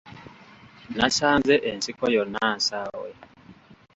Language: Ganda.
Nasanze ensiko yonna nsaawe.